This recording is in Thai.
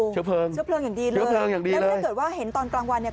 เชื้อเพลิงเชื้อเพลิงอย่างดีเลยแล้วถ้าเกิดว่าเห็นตอนกลางวันเนี่ย